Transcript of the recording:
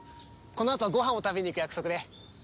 このあとごはんを食べに行く約束で。